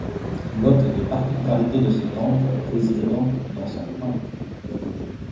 L'autre des particularités de ce temple réside donc dans son plan.